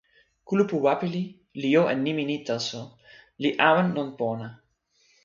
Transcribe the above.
kulupu Wapili li jo e nimi ni taso, li awen lon pona.